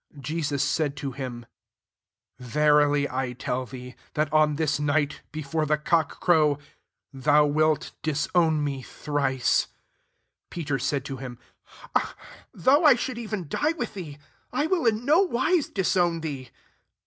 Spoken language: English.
'' 34 Jesus said to him, " Verily I tell thee, that on this night, before the cock erow, 5iou wilt disown me thrice." 35 Peter said to him, "Though I should even die with thee, I will in no wise disown thee."